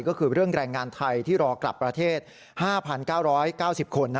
ก็คือเรื่องแรงงานไทยที่รอกลับประเทศ๕๙๙๐คน